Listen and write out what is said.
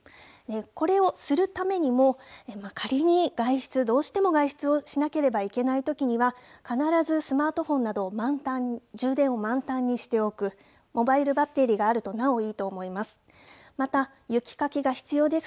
これをするためにも、仮に外出、どうしても外出をしなければいけないときには、必ずスマートフォンなどを満タン、充電を満タンにしておく、モバイルバッテリーがあると、なおいいと思います。